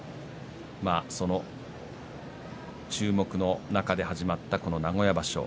注目の中で始まった名古屋場所。